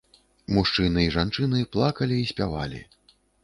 Мужчыны і жанчыны плакалі і спявалі.